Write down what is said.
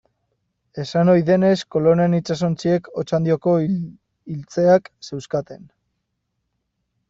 Esan ohi denez, Kolonen itsasontziek Otxandioko iltzeak zeuzkaten.